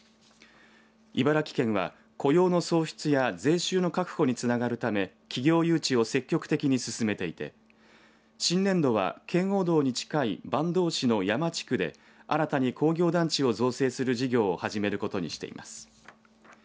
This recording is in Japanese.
茨城県は雇用の創出や税収の確保につながるため企業誘致を積極的に進めていて新年度は、圏央道に近い坂東市の山地区で新たに工業団地を造成する事業を始めることにしています。